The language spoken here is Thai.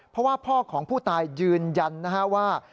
เพราะว่าพ่อของผู้ตายยืนยันนะฮะว่า